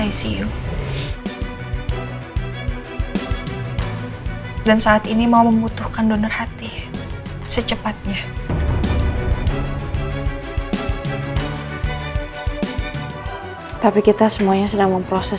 icu dan saat ini mau membutuhkan donor hati secepatnya tapi kita semuanya sedang memproses